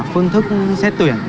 phương thức xét tuyển